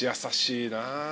優しいなぁ。